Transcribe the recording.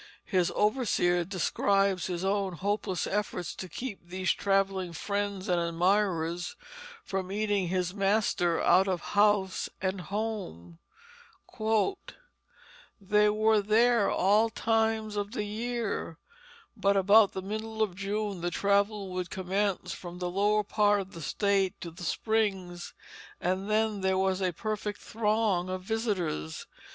His overseer describes his own hopeless efforts to keep these travelling friends and admirers from eating his master out of house and home: "They were there all times of the year; but about the middle of June the travel would commence from the lower part of the State to the Springs, and then there was a perfect throng of visitors.